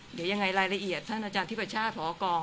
เดี๋ยวยังไงรายละเอียดท่านอาจารย์ทิพชาติพอกอง